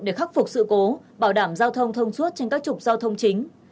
để khắc phục sự cố bảo đảm giao thông thông suốt trên các trục giao thông chính